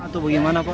tuh bagaimana pak